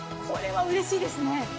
これはうれしいですね。